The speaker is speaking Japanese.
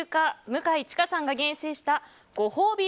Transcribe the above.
向井智香さんが厳選したご褒美